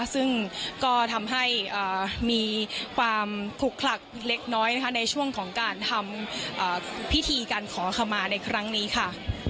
ซึ่งก็ทำให้มีความขลุกคลักเล็กน้อยนะคะในช่วงของการทำพิธีการขอขมาในครั้งนี้ค่ะ